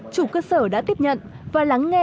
chủ cơ sở đã tiếp nhận và lắng nghe